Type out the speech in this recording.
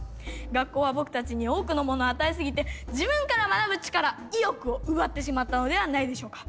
学校は僕たちに多くのものを与えすぎて自分から学ぶ力意欲を奪ってしまったのではないでしょうか。